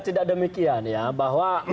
tidak demikian ya